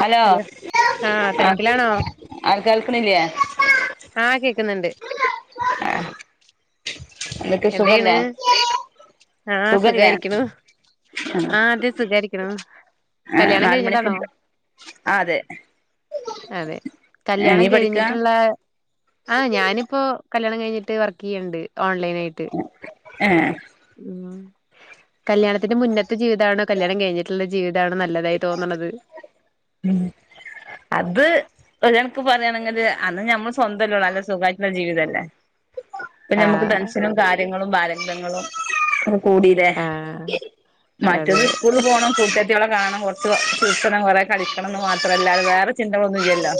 Hello ആഹ് ആ തെരക്കിലാണോ ആ കേൾക്കണില്ലേ ആഹ് കേക്കുന്നുണ്ട് എന്തൊക്കെ എന്തെയണ് സുഖല്ലേ ആഹ സുഖല്ലേ സുഖായിരിക്കണ ആഹ ആ അത സുഖായിരിക്കണം ആ കല്യാണം നാലുമണി കഴിഞ്ഞതാണോ ഫുഡ് ആ അതെ അതെ കല്യാണം നീ പഠിക്കാ കഴിഞ്ഞിട്ടുള്ള ആഹ ഞാനിപ്പോൊ കല്യാണം കഴിഞ്ഞിട്ട് വർക്ക് ചെയ്യുണ്ട് ഓൺലൈന ആയിട്ട് ഏ കല്യാണത്തിന്റെ മുന്നത്തെ ജീവിതാണോ കല്യാണം കഴിഞ്ട്ട്ള്ള ജീവി ഉം അത് ഒര് കണ ക്ക് പറയാണെങ്കില് അന്ന് ഞമ്മള് സ്വന്തല്ലെ ഓള് അല്ല സുഖയിട്ടുള്ള ജീവിതല്ലേ ഇപ്പം ഞമ്മക്ക് ആഹ് ടെൻഷനും കാര്യങ്ങളും ബാല ന്തങ്ങളും കൂടിലെ ആഹ് മറ്റത് അതെ സ്കൂള് പോണം കൂട്ട [unintelligible] കൊർച്ച് ചിരിച്ചണം കൊറേ കളിക്കണംന്ന് മാത്രല്ലാതെ വേറെ ചിന്തകളൊന്നുല്ലല്ലോ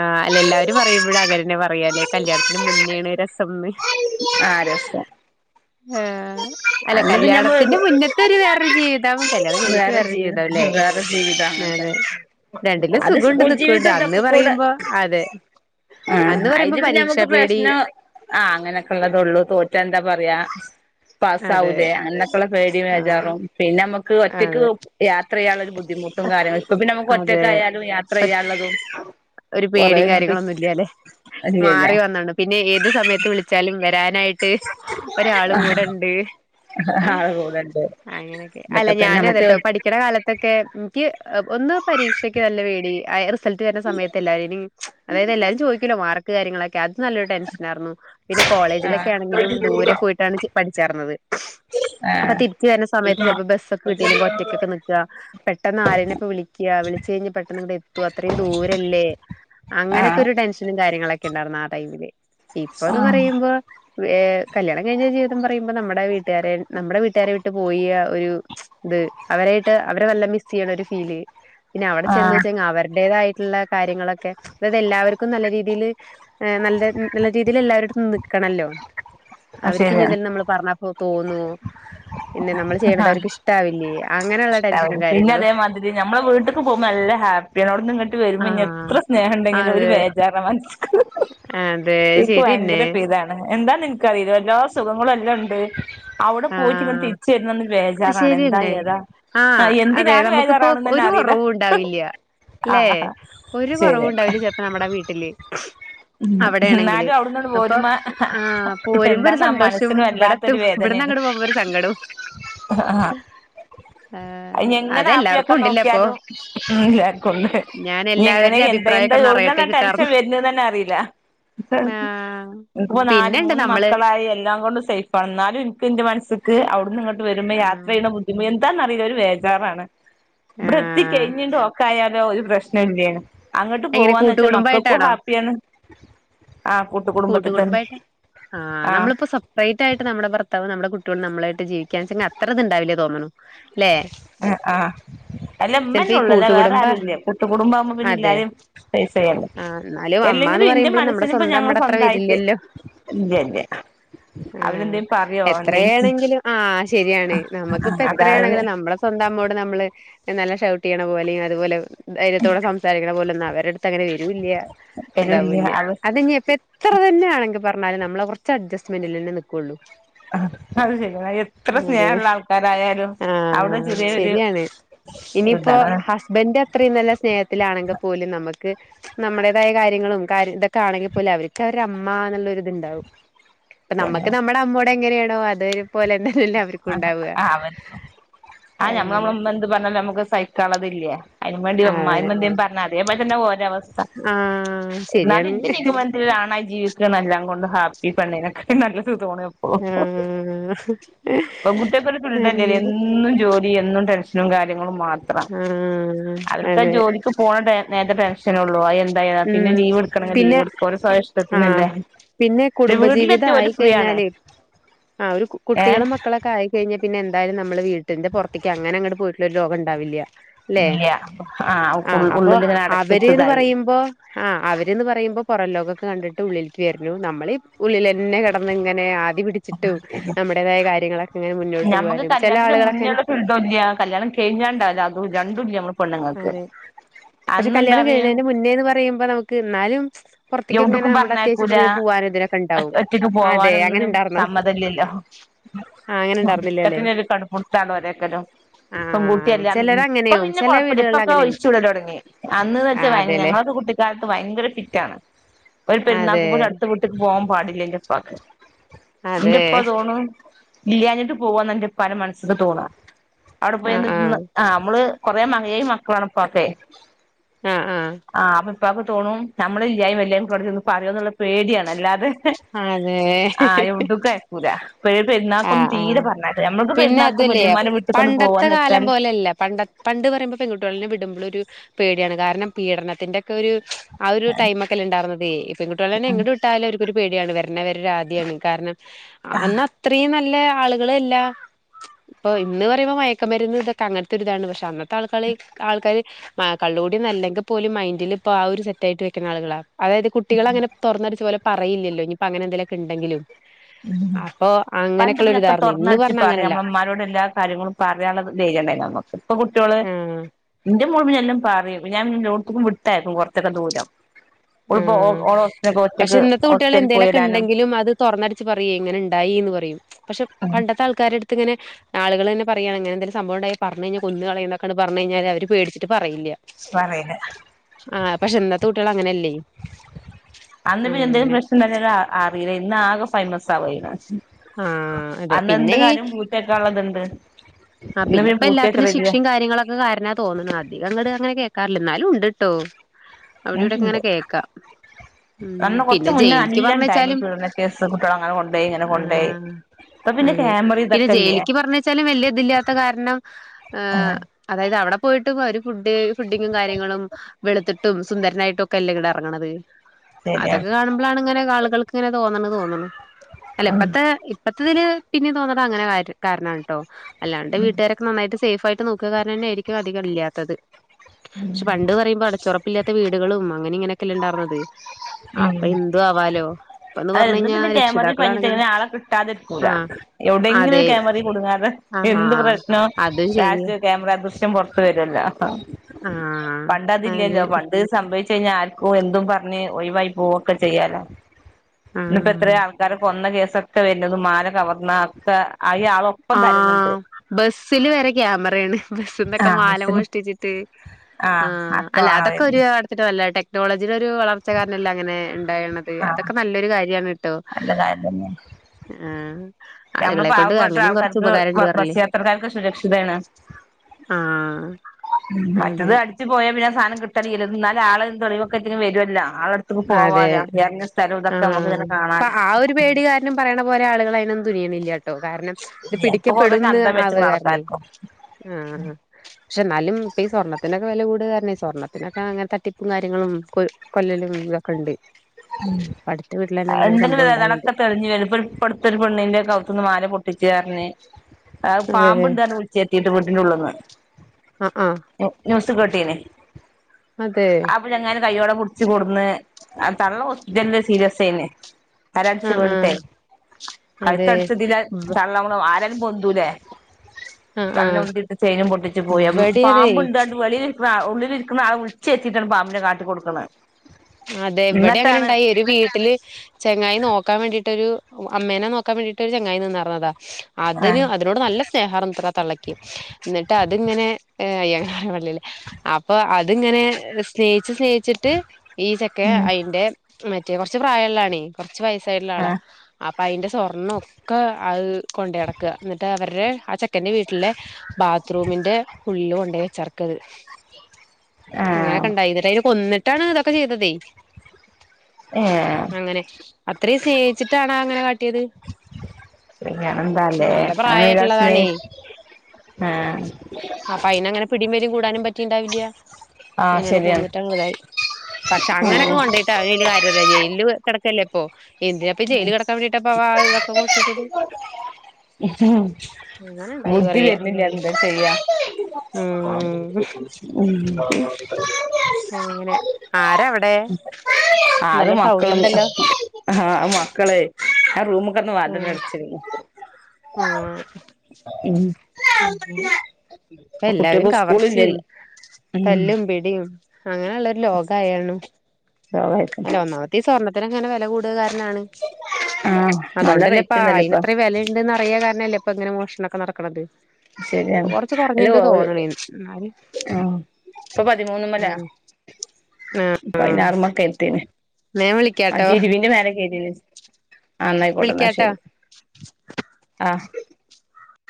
ആ അല്ല എല്ലാരും പറയുംമ്പഴും അങ്ങനെന്നെ പറയാല്ലേ കല്യാണത്തിന് മുന്നെണ് രസംന്ന് ആ രസം ആ അല്ലെ അന്ന് പിന്നെ നമ്മള് കല്യാണത്തിന്റെ മുന്നത്തെ ഒരു വേറൊരു ജീവിതം കല്യാണം കഴിഞ്ഞിട്ട് വേറെ വേറൊരു ജീവിതം ജീവിതവുംല്ലേ വേറെ ജീവിതം അങ്ങനെ അതെ തന്നെ രണ്ടിലും അത് സുഖോണ്ട് സ്കൂൾ ദുഃക്കോണ്ട് ജീവിതം അന്ന് പറ [unintelligible] ആ അന്ന് പറയുമ്പോ അതിനിപ്പ പരീക്ഷാ ഞമുക്ക് പേടി പ്രശ്നം ആ അങ്ങനെയൊക്കെ ഉള്ളതാ ഉള്ളൂ തോറ്റാ എന്താ പറയാ അതെ പാസ്സാവൂലെ അങ്ങനൊക്കുള്ള പേടിയും ആ ബേചാറും പിന്നെ നമു നമുക്ക് ഒറ്റക്ക് അതെ യാത്ര ചെയ്യാനുള്ള ഒരു ബുദ്ധിമുട്ടും കാര്യങ്ങളും ഇപ്പൊ പിന്നെ നമുക്ക് അതെ ഒറ്റക്കായാലും യാത്ര ചെയ്യാനുള്ളതും ഒരു കൊറേ പേടിയും ഇങ്ങോട്ട് കാര്യങ്ങളൊന്നും ഇല്ലാല്ലെ ഇല്ല ഇല്ല മാറി എരാര് [unintelligible] നായിട്ട് ഒരാള് കൂടെ ഇണ്ട് ഹ ഹാ കൂടെണ്ട്. അല്ല ഇതൊക്കെ തന്നെ ഞാനും നമുക്ക് അതെട്ടോ പഠിക്കണ കാലത്തൊക്കെ എനിക്ക്- ഒന്ന് പരീക്ഷയ്ക്ക് നല്ല പേടി ഐ റിസ് റിസൾട്ട് വരുന്ന സമയത്ത് എല്ലാരേനും അതായത് എല്ലാരും ചോദിക്കോല്ലോ മാർ ക്ക്‌ കാര്യങ്ങള അതു നല്ലൊരു ടെൻഷനാരുന്നു പിന്ന ആ കോളേജിലൊക്കെ ആണെകിലും ദൂര പോയിട്ടാണ് പഠിച്ചാർന്നത് അപ്പം ആ തിരിച്ച്കേറുന്ന സമയത്ത് ചെലപ്പ ബസ് വീട്ടില് ഒറ്റക്കൊക്ക നിക്കാ പെട്ടനാരെലൊക്കെ വിളിക്ക വിളിച്ച് കൈഞ്ഞ് പെട്ടന്നങ്ങടാ എത്തുവ അത്രേം ദൂരല്ലേ ആഹ് അങ്ങനെക്കൊരു ടെൻഷന് കാര്യങ്ങളക്കേണ്ടാര്ന്നു ആടൈമില് ഇപ്പത്തു ആഹ് പറേംമ്പോ വേ കല്യാണം കഴിഞ്ഞരിഞ്ഞ് ജീവിതത്തിലന്നു പറേംമ്പോ നമ്മട വീട്ടുകാരെ നമ്മട വീട്ടുകാരെ വിട്ടുപോയി യാ ഒരു ഇത് അവരായിട്ട് അവര വല്ല മിസ്സ്‌ ച്വയ്യാണൊരു ഫീല് പിന്നവിടെ ആഹ് ചെന്നുവച്ച അവരുടെതായിട്ട് ട്ടുള്ള കാര്യങ്ങളൊക്കെ ഇതൊക്കെ എല്ലാവർക്കും നല്ല രീതില് ആ നല്ല നല്ല രീതില് എല്ലാരുടുത്തും നിക്കണോല്ലോ അത് അവർക്കിനി ശരിയാണ് എന്തേലും നമ്മൾ പറഞ്ഞാ പോ പോന്നു പിന്നെ നമ്മള് ചെയ്യ്ണത് അവർക്കിഷ് ണ്ടാവും പിന്നെ അതേമാതിരി ഞമ്മളെ വീട്ട്ക്ക് പോമ്പോ നല്ല ഹാപ്പിയണ് അവ്ട്ന്ന് ങ്ങട്ട് വര്മ്പോ നി ആഹ് എത്ര സ്നേഹ ണ്ടെങ്കിലും ഒരു അതെ വേചാറാ മന്സ്ക്ക് അതെ ഇൻക്ക് ശരിയന്നെ ഭയങ്കര പ്പി ഇതാണ് എന്താന്ന് ഇൻക്കറീല്ല എല്ലാ സുഖങ്ങളും ല്ലണ്ട് അവ്ടെ പോയിറ്റ് ങ്ങട്ട് തിര്ച്ച് ര്ണന്ന് അ ശെരി എന്തിനാണ് ബേജാറാവണന്ന് തന്നെ അറിയില്ല ആഹ് ശരി ഉം എന്നാലും അവിടുന്നങ്ങട് പോരുമ്പോ എന്താന്നാ മനസ്സിന് വല്ലാത്തൊരു ഇവിടുന്ന് അങ്ങോട്ട് പോകുമ്പോൾ ഒരു സങ്കടം അഹ് അഹ അതിനു എങ്ങനെ ഹാപ്പി അതെല്ലാർക്കും ആക്കാൻ ഉണ്ടില്ലേ അപ്പൊ നോക്കിയാലും ഞാൻ എങ്ങനെ എല്ലാവരുടെയും എന്താ എന്താ അഭിപ്രായൊക്കെ ഒന്ന് അറിയട്ടെ എവിടന്ന ടെൻഷൻ കിട്ടാർന്നു വരുണെന്ന് ന്നെ അറില്ല ആഹ് ഇപ്പോ നാല് പിന്നെണ്ട് മൂന്ന് നമ്മള് മക്കളായി എല്ലാം കൊണ്ടും സേഫ് ആണ് എന്നാലും എനിക്ക് എന്റെ മനസ്സില് അവിടുന്ന് ഇങ്ങോട്ട് ഇങ്ങോട്ട് വരുമ്പോൾ യാത്ര ആഹ് ചെയ്യുന്ന ബുദ്ധിമ എന്താന്നറിയില്ല ഒരു ബേജാറാണ് വൃത്തി ആഹ് കഴിഞ്ഞിട്ടോ ഒക്കെ ആയാലോ ഒരു പ്രശ്നവുമില്ല എന്തേ അങ്ങോട്ട് എങ്ങനെ പോവാന്ന് വെച്ചാൽ മക്കൾ ഹാപ്പിയാണ് ആ കൂട്ടുകുടുംബത്തിൽ തന്നെ കൂട്ടുകുടുംബായിട്ട് ആഹ ആ നമ്മളിപ്പോ സെപ്പ്രേറ്റ് ആയിട്ട് നമ്മുടെ ഭർത്താവ് നമ്മുടെ കുട്ടികൾ കുട്ടികളായിട്ടും നമ്മളായിട്ട് ജീവിക്കാൻചങ്ങ്അത്ര ഇത് ഉണ്ടാവില്ല തോന്നുന്നു ആഹ് നമ്മൾ ചിലപ്പോ ഈ തന്നെയുള്ളൂ അല്ലേ കൂട്ടുകുടുംബ വേറാരുല്ല കുട്ടുകുടുംബ ആകുമ്പോ പിന്നെ എല്ലാരും പൈസ ആ എന്നാലും അമ്മാന്ന് പറയുമ്പൊളും നമ്മടെ ഇപ്പ സ്വന്തം ഞങ്ങൾ അമ്മടെ അത്ര സ്വന്തായിട്ട് വരില്ലല്ലോ ഇല്ല ഇല്ല ആഹ് അവരെന്തേലും പറയോ എന്തേലും എത്രയാണെങ്കിലും ആഹ് ശരിയാണ് നമ്മുക്ക് ഇപ്പോ അതായത് എത്രയാണെങ്കിലും നമ്മളെ സ്വന്തം അമ്മോട് നമ്മൾ നല്ല ഷൗട്ട് ചെയ്യണ പോലെയും അതുപോലെ ധൈര്യത്തോടെ സംസാരിക്കണ പോലൊന്നാ അവര് ത്തങ്ങനെ വില്ല്യ വരൂല്ല അതാവൂല്ല അത് അതിപ്പോ എത്ര തന്നെ ആണെങ്കിലും പറഞ്ഞാൽ എന്നാലും നമ്മൾ കുറച്ച് അഡ്ജസ്മെന്റിലെന്നെ നിക്കുള്ളൂ അത് ശരിയാ എത്ര അതെ സ്നേഹള്ള ആൾക്കാരായാലും അവിടെ ആഹ് ചെറിയൊരു ശരിയാണ് ഇനിയിപ്പോ ഇതാണ് ഹസ്ബൻ് അത്രയും നല്ല സ്നേഹത്തിലാണെങ്കിലും പോലും നമക് അവർക്ക് നമ്മടേതായ കാര്യങ്ങളും കാര് ഇതൊക്കെയാണെങ്കിൽ പോലും അവർക്ക് അവരുടെ അമ്മ എന്നുള്ള ഒരു ഇത് ഉണ്ടാവും അപ്പോ നമുക്ക് നമ്മുടെ അമ്മയോട് എങ്ങനെയാണോ അത് ആ അവ ആ ഞമ്മൾ അങ്ങനെ നമ്മള് എന്ത് പറഞ്ഞാലും നമ്മക്ക് അത് സഹിക്കുള്ളതില്ല അതിനുവേണ്ടി അതെ അമ്മായമ്മ എന്തെങ്കിലും പറഞ്ഞാൽ അതെ പോലെ അതുതന്നെ അവരുടെ അവസ്ഥ അവസ്ഥ ആഹ് എന്നാലും ശരിയാണ് എന്റെ ജീവിതത്തിൽ ഒരാണായി ജീവിക്കുക എല്ലാംകൊണ്ടും ഹാപ്പി പെണ്ണുങ്ങളെക്കാൾ നല്ലത് തോണും എപ്പഴും ആഹ് പെൺ കുട്ടികൾക്ക് ഫ്രീഡം ഇല്ലല്ലോ അങ്ങനെ എന്നും ജോലി എന്നും ടെൻഷനും കാര്യങ്ങളും കാര്യങ്ങളും മാത്രം ആഹ് അവർക്ക് ആ അതെ ജോലിക്ക് പോകുന്ന നേരത്തെ ടെൻഷ ൻ [unintelligible] ഉം പിന്നെ ആഹ് ഇഷ്ടത്തിനല്ലേ പിന്നെ കുടുംബജീവിതം വീട്ടിലെത്തിയ ഓര് ഫ്രീ ആണ് ആയിക്കഴിഞ്ഞാല് ആ ഒരു കു ഏഹ് കുട്ടികളും മക്കളൊക്കെ ആയിക്കഴിഞ്ഞ പിന്നെന്തായാലും നമ്മള് വീട്ടിന്റെ പുറത്തേക്ക് അങ്ങനങ്ങട്ട് ഒരു ലോകം ഉണ്ടാവില്യ ഇല്യ ആ ഉള്ളില്ങ്ങനെ അടച്ചിട്ട്തായി ആഹ് അവര്ന്ന് പറയുമ്പോ പുറം ലോകൊക്കെ കണ്ടിട്ട് ഉള്ളിൽക് വരുന്നു നമ്മള് ഉള്ളിലെന്നെ കിടന്നിങ്ങനെ ദി പിടിച്ചിട്ടു നമ്മടേതായ കാര്യങ്ങളൊക്കെ ഇങ്ങനെ മുന്നോട്ട് ഞമ്മക്ക് പോകാനും ചില കല്യാണത്തിന്റെ ആളുകളൊക്കെനെ മുന്നുള്ള സുൽദുല്യ കല്യാണം കഴിഞ്ഞാണ്ടാല അത് രണ്ടുല്യ നമ്മള് പെണ്ണുങ്ങൾക്ക് അതെ പക്ഷെ കല്യാണം അന്നെന്താറിയും കഴിയിണെന്റെ മുന്നേന്ന് പറഞ് പറയുമ്പോ നമക്ക് നാലും എവിട്ക്കും പറഞ്ഞയക്കൂല പോവാനും ഇതിനൊക്കെ ഉണ്ടാവും ഒറ്റക്ക് അതെ അങ്ങനെ പോവാനൊന്നിനും ഉണ്ടാർന്നോ സമ്മതല്യല്ലോ ആ അങ്ങനെ ഉണ്ടാർന്നില്ലല്ലേ ഒക്കത്തിനൊരു കടുംപുട്താണ് ഒരേക്കലും ആ പെൺകുട്ട്യല്ലേ ചിലര് ഇപ്പം അങ്ങനെയാവും പിന്നെ ചില കൊഴപ്പല്യ വീടുകളിൽ ഇപ്പൊക്കെ അങ്ങനെയാവും അഴിച്ചു വിടലൊടങ്ങി ആ അന്ന്ന്നേച്ചാഭയൻ അതെല്ലേ ഞങ്ങളൊക്കെ കുട്ടി കാലത്ത് ഭയങ്കര ഫിറ്റാണ് ഒരു അതെ പെരുന്നാക്കു പോലും അടുത്ത വീട്ടിക്ക് പോകാൻ പാടി ല്യന്റെപ്പാക്ക് ഇന്റെ അതെ ഇപ്പ തോണും ഇല്യഞ്ഞിട്ട് പോവാന്നന്റെപ്പാന്റെ മനസ്സ്ക്ക് തോന്ന അവിടെ പോയിന്ന് തിന്ന് ആ മ്മള് കൊറേമാകഏഴുമക്കളാണ്പ്പാക്കെ ആ ആഹ പെപ് ഇപ്പാക്ക് തോന്നും നമ്മള് ഇല്യായിം വൽ യും ചെന്ന് പറയോന്നുള്ളോ പേടിയാണ് അല്ലാതെ ആ ആ അതെ എവിട്കുംഅയക്കൂല പെരുന്നാക്കും ആഹ് തീരെ ആഹ് പറഞ്ഞയക്കൂല ഞമ്മക്ക് പിന്നെ പെരുന്നാക്ക് അതുല്ലേ വല്യിമ്മാന്റെ വീട്ട്ക്കൊന്ന് പണ്ടത്തെ പോവാന്ന് കാലം വെച്ചാൽ പോലെയല്ല പണ്ട പണ്ട് പറയുമ്പോ പെൺകുട്ടികളെ വിടുമ്പോളൊരു പേടിയാണ് കാരണം പീഡനത്തിന്റെക്കെ ഒരു ആ ഒരുടൈം ഒക്കെണ്ടാർന്നതൈ പെൺകുട്ട്യോളെ തന്നെ എങ്ങണ്ട് വിട് യാലും അവർക്കൊരുപേടിയാണ് വരുന്നവരെആദ്യാണ് കാരണം ആ അത്രയും നല്ല ല്ല ആളുകളെല്ല ഇപ്പൊ ഇന്ന് പറയുമ്പോ മയക്ക്മരുന്ന് തൊക്കെ അങ്ങനത്തൊരിതാണ് പക്ഷെ അന്നത്തെ ആൾക്കളി ആൾകാര് കള്ളുകുടിന്നല്ലെങ്കിപോലും മൈൻഡില്താ ഒരു സെറ്റ് ആയിട്ട് വെക്കുന്ന ആളുകളാ അതായത് കുട്ടികൾ അങ്ങനെ തുറന്നെടിച് പോലെ പറയില്ലല്ലോ ഇഞ്ഞ്പ്പൊങ്ങനെന്തെലൊക്കെ ണ്ടെങ്കിലും പണ്ട് പിന്നൊക്കെ ഒരുതാർന്നു ഇന്ന് തൊറന്നടിച്ച് പറഞ്ഞ പറയ അങ്ങനെയല്ല ഞമ്മളമ്മാരോട് എല്ലാ കാര്യങ്ങളും പറയാള്ള ധൈര്യണ്ടേന്നമ്മക്ക് പ്പ കുട്ടിയോള് ആഹ് ന്റെ മോള് പിന്നെല്ലം പറയം ഞാൻ ല്ലോട്ത്ത്ക്കും വിട്ടയക്കും കൊറച്ചൊക്കെ ദൂരം ഓളിപ്പോ ഊം ഓളെ ഹോസ്റ്റലിലൊക്കെ പക്ഷെ ഒറ്റക്ക് ഇന്നത്തെ കുട്ടികള് ഹോസ്റ്റലിൽ എന്തെലൊക്കെ പോയിടാനും ണ്ടെങ്കിലും അത് തൊറന്നടി ച്ച് പറയെ ങ്ങനെ ണ്ടായിന്ന് പറയും പക്ഷെ പണ്ടത്തെ ആൾക്കാരെടുത്ത് ഇങ്ങനെ ആളുകളെന്നെ പറയാണ് ങ്ങനെന്തെലും സംഭവം ണ്ടായ പറഞ്ഞ് കയിഞ്ഞാ കൊന്ന് കളയുന്നൊക്കണ്ട് പറഞ്ഞു കഴിഞ്ഞാല് അവര് പേടിച്ചിട്ട് പറയില്ല പറയല് ആ പക്ഷെ ന്നത്തെ കുട്ടിയാള് അങ്ങനെയല്ലേ അന്ന് പിന്നെ എന്തെങ്കിലും അങ്ങനെ പ്രശ്നം ണ്ടായി [unintelligible] അറിയില്ല ഇന്ന് ആകെ ഫൈമസാവാ [unintelligible] ണ് ആഹ് അന്നെന്ത് കാര്യോം പൂത്തിയെക്കാള്ളത്ണ്ട് ആ പിന്ന ഇപ്പ എല്ലാത്തിനും ശിക്ഷിം കാര്യങ്ങളൊക്കെ കാരണാ തോന്ന്ണ് അധികങ്ങട് അങ്ങനെ കേ ക്കാറില്ല ന്നാലും ണ്ട്ട്ടോ അവിടെ ഇണ്ട് ഇവിടെക്കെങ്ങനെ കേക്കാ ഊം അന്ന് കൊറച്ച് പിന്നെ മുന്നേ ജയിലിക്ക് നല്ല ഇണ്ടായിനി പറഞ്ഞയച്ചാലും പീഡന കേസ് കുട്ടികളെ അങ്ങനെ കൊണ്ടോയി ഇങ്ങനെ കൊണ്ടോയി ആഹ് ഇപ്പൊ പിന്നെ അതെ ക്യാമറ പിന്നെ ഇതൊക്കെല്ലേ ജയിലിക്ക് പറഞ്ഞച്ചാലും വല്യ ഇതില്ല കാരണം അതായത് അവടെ പോയിട്ടും അവര് ഫുഡ് ഫുഡിങ്ങും കാര്യങ്ങളും വെളുത്തിട്ടും സുന്ദരനായിട്ടും ഒക്കെ അല്ലേ ഇങ്ങട് എറങ്ങണത് ശരിയാണ് അതൊക്കെ കാണുമ്പളാണ് ഇങ്ങനെ ആളുകൾക്ക് ക്ക്ങ്ങനെ തോന്ന്ണെ തോന്ന്ണു അല്ല ഉം ഇപ്പത്തെ ഇപ്പത്തെതില് പിന്നിം തോന്നണത് അങ്ങനെ കാരണാണ് ട്ടോ അല്ലാണ്ട് വീട്ട്കാരൊക്കെ നന്നായിട്ട് സേഫായി ട്ട് നോക്ക്ക കാരണംന്നെ ആയിരിക്കും അധികം ഇല്ലാത്തത് ക്ഷെ പണ്ട് പറയുമ്പോ അടച്ചൊറപ്പില്ലാത്ത വീടുകളും അങ്ങനി ഇങ്ങനിയൊക്കല്ലെ ണ്ടാർന്നത് അപ്പൊ എന്തു ആവാലോ ഇപ്പന്ന് അതെ പറഞ്ഞ് ന്ന് കഴിഞ്ഞാ പിന്നെ കേമറി രക്ഷിതാക്കളാണെങ്കിലും പതിഞ്ഞിട്ടെങ്കിലും ആളെ കിട്ടാതെരിക്കൂല ആഹ് എവടെങ്കിലും ഒരു അതെ കേമറി കുടുങ്ങാതെ എന്ത് ആഹ് പ്രശ്നം അതും ശരിയാ [unintelligible] ക്യാമറ ദൃശ്യം പൊറത്ത് വരുവല്ലോ ആ ആഹ് അതെ പണ്ടതില്ലല്ലോ പണ്ട് സംഭവിച്ച ച ക ആർക്കും എന്തും പറഞ്ഞ് ഒഴിവായി പോവൊക്കെ ചെയ്യാലോ ഇന്നപ്പോ ആഹ് എത്രയും ആൾക്കാരെ കൊന്ന കേ ഒക്കെ വരുന്നുന്നത് മാല കവർന്ന ഒക്കെ ഈ ആളൊപ്പം ആ തരുന്നുണ്ട് ബസിില് വരെ ക്യാമറയാണ് ബസ്സിന്തൊക്കെ ആഹ് മാല മുസ്ലിം മോഷ്ടിച്ചിട്ട് ആ് ആഹ് അക്കെ അല്ല വേണം അതൊക്കെ ഒരു വരുന്നെ അടത്തിട്ട് വല്ലടെ ക്ോളജിൊ ഒരു വളർച്ചക്കാരനല്ലാം അങ്ങെ ഉണ്ട് ഉണ്ടായിരുന്നത് ആഹ് അതൊക്കെ നല്ലാരു കാര്യാണ് ട്ടോ നല്ല കാര്യം തന്നെയാണ് ആ ആളുകളെ കൊണ്ട് ങ്ങത്താ അങ്ങനെയും കൊറച്ച് ആൾക്കാർക്ക് ഉപകാരണ്ട് ബസ് ബസ് പറഞ്ഞില്ലേ യാത്രക്കാർക്ക് സുരക്ഷിതയാണ് ആഹ് മറ്റേത് അതെ അടിച്ചു പോയാ പിന്നെ സാധനം കി ട്ടല്ലില്ല എന്നാല ആളുകള് തെളിവൊക്കെ കിട്ടിന് വരുല്ല അതെ ഇതൊക്കെ നമുക്ക് ആഹ ഇങ്ങനെ അപ്പൊ കാണാലോ ആ ഒരു പേടിക്കാരനും പറയണ പോലെ ആളുകളായി [unintelligible] ണ്ടോ കാരണം ഇത് ഇപ്പൊ കൊറേ പിടിക്കപ്പെട്ന്ന് അന്തം വെച്ച്ക്ക്ണ് അറിയില്ലെ ആൾക്കാർക്കും ആ ക്ഷേ എന്നാലും ഇപ്പ സ്വർണത്തിന്റെ വില കൂട് താരണെ സ്വർണത്തിനൊക്കെ അങ്ങനെ തട്ടിപ്പും കാര്യങ്ങളും കൊ കൊല്ലലും ഇതക്കെ ഒണ്ടേ ഉം സംഭവം ഉണ്ടായിണ്ട് എന്തെങ്കിലുംതക്കെ തെളിഞ്ഞ് വരുമ്പരും ഇപ്പർത്തെ പെണ്ണിന്റെ കവുത്ത്ന്ന് മാല പൊ പെട്ടിച്ചെറിന് ആ പാമ്പ് ഉണ്ടാർന്ന് വിളിച്ചേത്തീ ട്ട് വീട്ടിന് ഉള്ളീന്ന് അതെ ആഹ് ആഹ് ന്യൂസ് കേട്ടീനീ അതെ അപ്പഴങ്ങനെ കയ്യോടെ പിടിച്ച് കൊടുന്ന് തന്ന് ക്യാസ്റ്റിയനില് സീരിയസ് ആയിരുന്ന് ആരടച്ച് ആഹ് വീണട്ടെ ആഹ് കഴിച്ച അതെ അടിച്ചതില [unintelligible] പൊന്തുലെ ആഹ് കള്ള് ആഹ് ഉണ്ടിട്ട് ചെയിനും പൊട്ടിച്ചു പോയാ ഇവിടെ അതെ പാമ്പ് ഇണ്ടാണ്ട് വെളിയില് വ്വാ. ഉള്ളിലിരിക്കുന്ന ആ ഉച്ച എത്തീട്ടാണ് പാമ്പിനെ കാണിച്ച് കൊടുക്കണ അതെ എവിടെ അങ്ങനെ ഉണ്ടായി ഒരു വീട്ടില് ചങ്ങായി നോക്കാൻ വേണ്ടി ടൊരു അമ്മേനെ നോക്കാൻ വേണ്ടിയിട്ട് ചങ്ങായിതി നിന്നറഞ്ഞതാ അതിന് ആഹ് അതിനോട് നല്ല സ്നേഹാര്ന്ന്ത്ര തള്ളക്ക് എന്നിട്ട് അതിങ്ങനെ അയ്യ അപ്പൊ അത് അത്ങ്ങന സ്നേ സ്നേഹിച്ചിട്ട് ഈ ചെക്ക ഉം ആയിട്ട് മറ്റേ കുറച്ച് പ്രായമള്ളണേ ച്ച്‌ വയസായിട്ടുള്ള ആളാ ആഹ് അപ്പ അയിന്റെ സ്വർണം ഒക്കെ അത് കൊണ്ടടക്കുക എന്നിട്ട് അവരുടെ ആ ചെക്കന്റെ വീട്ടിലെ ബാത്റൂമിന്റെ ഉള്ളില് കൊണ്ട് വെച്ചർക്കത് അങ്ങനെ ആഹ് കണ്ടായിന്നിട്ട് അയിനെ കൊന്നി [unintelligible] പ്പ ചെയ്തതെ ആഹ ഇത്രയും സ്നേഹിച്ചിട്ടാണ് അങ്ങനെ കാട്ടിയത് അങ്ങനെന്താല്ലേ നല്ല അങ്ങനെയൊരു പ്രായമായിട്ടുള്ളതാണ സ്നേഹ ആഹ് അപ്പൊ അയിന്ങ്ങനെ പിട വരും കൂടാനും പറ്റിണ്ടാവില്ല ആഹ് അോട് ശരിയാണ് കൂന്നിട്ട് അങ്ങുതായി പക്ഷെ അങ്ങനെ ഒക്കെ ഉം കൊണ്ടോയിട്ട് അ ഒരു കാര്യമല്ല ജയിലില് കിടക്കല്ലേ പോ [unintelligible] എന്തിനപ്പൊ ജയില് കിടക്കാൻ വേണ്ടിട്ടപ്പവാ ഇതൊക്കെ മോഷ്ട്ടിച്ചത് അങ്ങനെണ്ടായി ബുദ്ധി പറയാ വരുന്നില്ല എന്താ ചെയ്യാ ഉം അങ്ങനെ ആരാ അവിടെ അത് നല്ല സൗണ്ട് മക്കളും ഉണ്ടല്ലോ ആ ആ മക്കളെ ഞാൻ റൂം - [unintelligible] മ്ആഹ് മ്ഹ് ഹ് ഇപ്പൊ എല്ലാവരും കുട്ടികൾക്ക് കവർച്ചയും, സ്കൂളില്ലല്ലോ ഉം തല്ലും, പിടിയും അങ്ങനെള്ളൊരു ലോകയാണ്. മ് [unintelligible] തിനങ്ങനെ വെല കൂടുക കാര ണാണ്. ആ നല്ല അതുകൊണ്ടല്ലേ ഇപ്പ റേറ്റ് ഉണ്ടല്ലോ ഇപ്പൊ അയിനിത്ര വെലയുണ്ട് എന്ന അറിയ കാരണമല്ലേ ഇപ്പൊ ഇങ്ങനെ മോഷണം. ഒക്കെ നടക്കണത്. ശരിയാണ് കൊറച്ച് അല്ല കൊറഞ്ഞിണ്ട് തോന്നണേ [unintelligible] എന്നാലും ആ ഇപ്പൊ പതിമൂന്ന്മേലാ ഉം ആഹ് ആഹ് പയിനാറ്മക്കേൽ. എത്തീന്. ഞാൻ വിളിക്കാട്ടോ [unintelligible] ആ ന്നായിക്കോട്ട എന്നാ വിളിക്കാട്ടോ ശരി ആഹ്